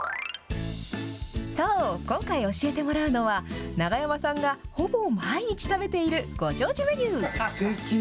そう、今回教えてもらうのは、永山さんがほぼ毎日食べているご長寿メニュー。